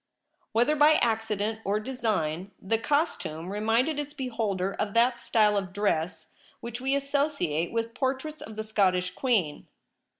Whether by accident or design, the costume reminded its beholder of that style of dress which we associate with portraits of the Scottish Queen.